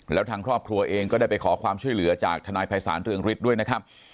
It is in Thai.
แล้วทางครอบครัวเองก็ได้ไปขอความช่วยเหลือจากทนายภัยศาลเรืองฤทธิ์ด้วยนะครับ